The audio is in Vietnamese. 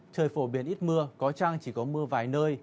trời phổ biến ít mưa có trăng chỉ có mưa vài nơi